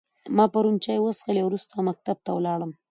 ما پرون چای وچیښلی او وروسته مکتب ته ولاړم